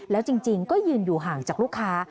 แล้วจริงก็ยืนอยู่ห่างจากลูกค้า